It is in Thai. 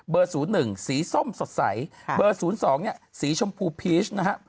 เบอร์๐๑สีส้มสดใสเบอร์๐๒สีชมพูพีชนะฮะ